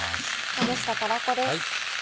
ほぐしたたらこです。